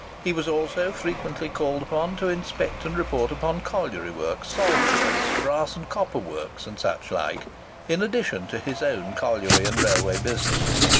He was also frequently called upon to inspect and report upon colliery works, salt works, brass and copper works, and such like, in addition to his own colliery and railway business.